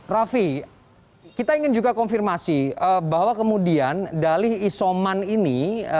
raffi kita ingin juga konfirmasi bahwa kemudian dalih isoman ini